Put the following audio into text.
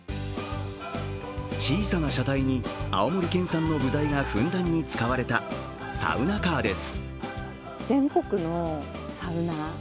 小さな車体に青森県産の部材がふんだんに使われたサウナカーです。